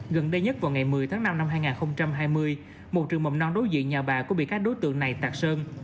gần đây nhất vào ngày một mươi tháng năm năm hai nghìn hai mươi một trường mầm non đối diện nhà bà cũng bị các đối tượng này tạc sơn